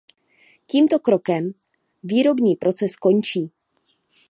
Tímto krokem výrobní proces končí.